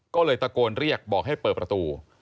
ก็เลยตะโกนเรียกบอกให้เปิดประตู